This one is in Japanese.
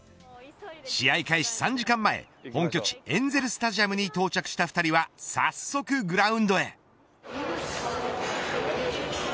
試合開始３時間前本拠地エンゼルススタジアムに到着した２人は早速グラウンドへ。